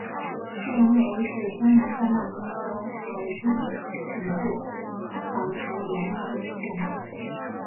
岳阳楼是江南三大名楼中唯一的一座保持原貌的古建筑。